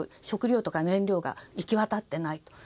食糧とか燃料が行き渡っていない。